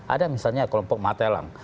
ada misalnya kelompok matelang